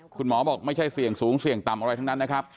คุณหมอบอกไม่ใช่เสี่ยงสูงเสี่ยงต่ำอะไรทั้งนั้นนะครับ